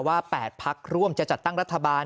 ว่า๘ภักดิ์ร่วมจะจัดตั้งรัฐบาล